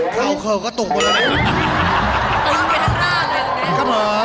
เพาคอลกก็ต่งบนแผ่น